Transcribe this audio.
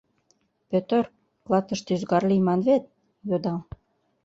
— Пӧтыр, клатыште ӱзгар лийман вет? — йодам.